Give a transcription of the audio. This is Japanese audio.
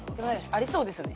ありそうですよね